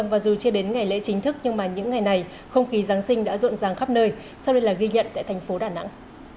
và dù chưa đến ngày lễ chính thức nhưng mà những ngày này không khí giáng sinh đã rộn ràng khắp nơi sau đây là ghi nhận tại thành phố đà nẵng